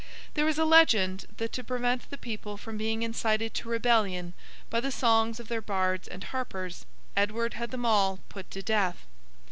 There is a legend that to prevent the people from being incited to rebellion by the songs of their bards and harpers, Edward had them all put to death.